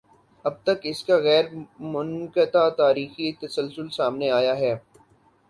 اب تک اس کا غیر منقطع تاریخی تسلسل سامنے آیا ہے۔